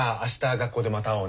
学校でまた会おうね。